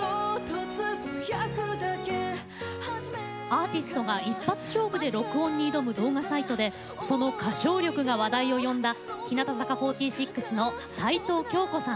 アーティストが一発勝負で録音に挑む動画サイトでその歌唱力が話題を呼んだ